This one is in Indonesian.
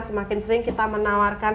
semakin sering kita menawarkan